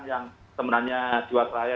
yang sebenarnya jiwasraya